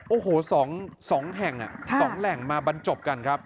โอ้โหสองแห่งสองแห่งมาบรรจบกันครับ